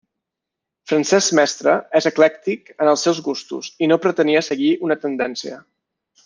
Francesc Mestre és eclèctic en els seus gustos i no pretenia seguir una tendència.